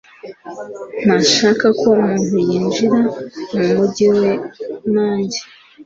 ntashaka ko umuntu yinjira mu mujyi we nanjye